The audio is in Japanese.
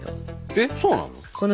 えっそうなの？